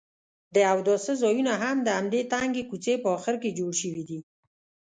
د اوداسه ځایونه هم د همدې تنګې کوڅې په اخر کې جوړ شوي دي.